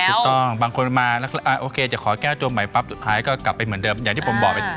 ถูกต้องบางคนมาแล้วโอเคจะขอแก้ตัวใหม่ปั๊บสุดท้ายก็กลับไปเหมือนเดิมอย่างที่ผมบอกไป